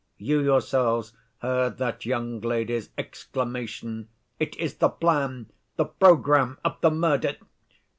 You yourselves heard that young lady's exclamation, 'It is the plan, the program of the murder!